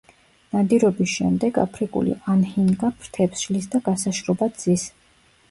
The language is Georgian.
ნადირობის შემდეგ, აფრიკული ანჰინგა ფრთებს შლის და გასაშრობად ზის.